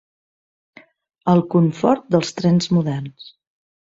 El confort dels trens moderns.